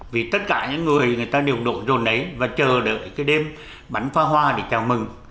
vì tất cả những người người ta đều nộn rồn đấy và chờ đợi cái đêm bánh pha hoa để chào mừng